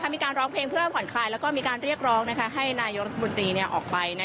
มีการร้องเพลงเพื่อผ่อนคลายแล้วก็มีการเรียกร้องให้นายกรัฐมนตรีออกไป